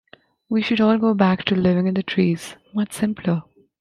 We should all go back to living in the trees, much simpler.